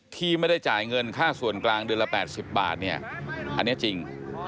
ที่ไม่ได้จ่ายเงินค่าส่วนกลางเดือนละ๘๐บาทเนี่ยอันนี้จริง